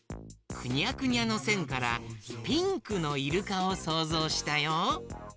くにゃくにゃのせんからピンクのイルカをそうぞうしたよ。